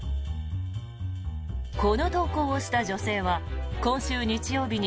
この投稿をした女性は今週日曜日に